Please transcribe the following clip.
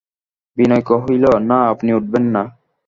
বিনয় কহিল, না আপনি উঠবেন না।